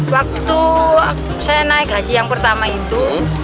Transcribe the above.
waktu saya naik haji yang pertama itu